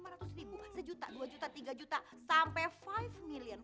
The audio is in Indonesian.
lima ratus ribu sejuta dua juta tiga juta sampai five million